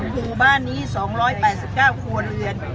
หมู่บ้านนี้๒๘๙ครัวเรือน